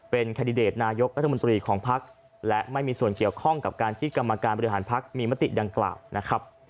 เป็นแคนดิเดตนายกรัฐมนตรีของภักดิ์และไม่มีส่วนเกี่ยวข้องกับการที่กรรมการบริหารพักมีมติดังกล่าวนะครับ